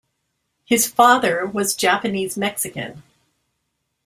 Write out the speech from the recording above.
His father was Japanese Mexican.